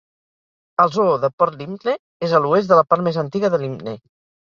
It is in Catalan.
El zoo de Port Lympne és a l'oest de la part més antiga de Lympne.